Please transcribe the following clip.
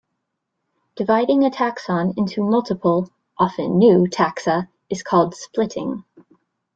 Dividing a taxon into multiple, often new, taxa is called splitting.